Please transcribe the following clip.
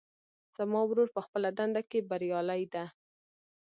زما ورور په خپله دنده کې بریالۍ ده